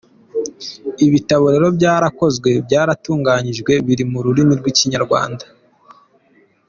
Ibitabo rero byarakozwe, byaratunganyijwe biri mu rurimi rw’Ikinyarwanda.